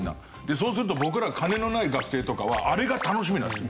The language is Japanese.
そうすると僕ら金のない学生とかはあれが楽しみなんです。